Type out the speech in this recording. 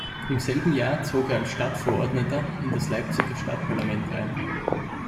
Im selben Jahr zog er als Stadtverordneter in das Leipziger Stadtparlament ein.